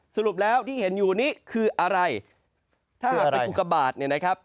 สรุปแล้วที่เห็นอยู่นี้คืออะไรถ้าเกิดเป็นอุกบาทเนี่ยนะครับ